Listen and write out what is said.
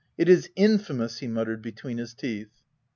— It is infamous W he muttered be ' tween his teeth.